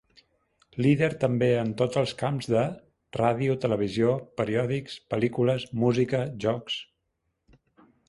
Líder també en tots els camps de; Ràdio, televisió, periòdics, pel·lícules, música, jocs.